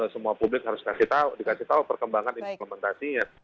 semua publik harus dikasih tahu perkembangan implementasinya